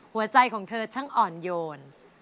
หัวใจของเธอช่างอ่อนโยน